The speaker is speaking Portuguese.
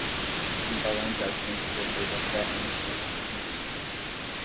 Um balão de ar quente vermelho aterra em um campo entre uma multidão.